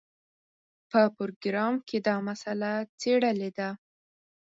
په پروګرام کې دا مسله څېړلې ده.